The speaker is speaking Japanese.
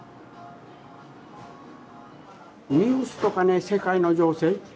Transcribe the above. ニュースとかね世界の情勢